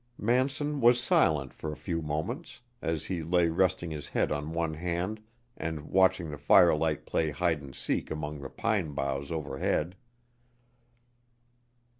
Manson was silent for a few moments, as he lay resting his head on one hand and watching the firelight play hide and seek among the pine boughs overhead.